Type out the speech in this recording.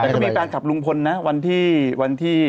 แต่ก็มีแฟนคลับลุงพลนะวันที่วันที่